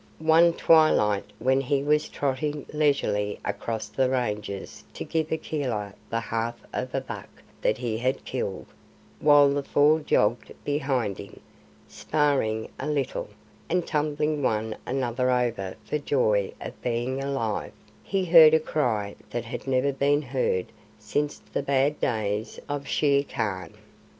One twilight when he was trotting leisurely across the ranges to give Akela the half of a buck that he had killed, while the Four jogged behind him, sparring a little, and tumbling one another over for joy of being alive, he heard a cry that had never been heard since the bad days of Shere Khan.